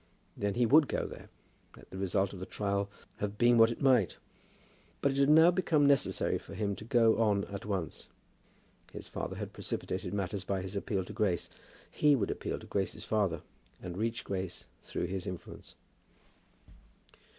Then he would go there, let the result of the trial have been what it might. But it had now become necessary for him to go on at once. His father had precipitated matters by his appeal to Grace. He would appeal to Grace's father, and reach Grace through his influence.